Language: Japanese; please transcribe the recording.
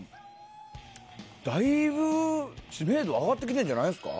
だいぶ知名度上がってきてるんじゃないですか。